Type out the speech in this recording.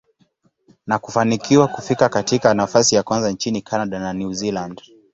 na kufanikiwa kufika katika nafasi ya kwanza nchini Canada na New Zealand.